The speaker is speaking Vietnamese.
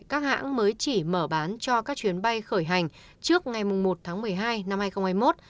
các hãng mới chỉ mở bán cho các chuyến bay khởi hành trước ngày một tháng một mươi hai năm hai nghìn hai mươi một